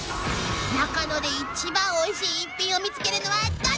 ［中野で一番おいしい逸品を見つけるのはどっちだ？］